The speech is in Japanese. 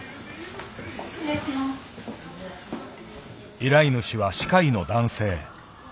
依頼主は歯科医の男性。